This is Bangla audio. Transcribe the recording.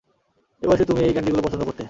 এই বয়সে তুমি এই ক্যান্ডিগুলো পছন্দ করতে।